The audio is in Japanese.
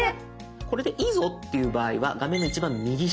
「これでいいぞ」っていう場合は画面の一番右下。